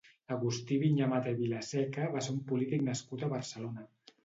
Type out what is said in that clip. Agustí Viñamata i Vilaseca va ser un polític nascut a Barcelona.